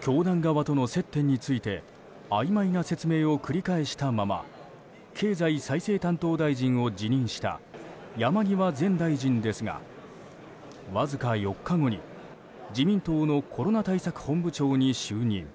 教団側との接点についてあいまいな説明を繰り返したまま経済再生担当大臣を辞任した山際前大臣ですがわずか４日後に自民党のコロナ対策本部長に就任。